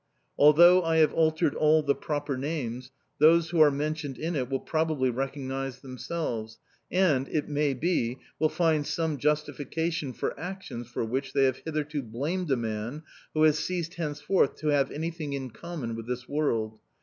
Although I have altered all the proper names, those who are mentioned in it will probably recognise themselves, and, it may be, will find some justification for actions for which they have hitherto blamed a man who has ceased henceforth to have anything in common with this world.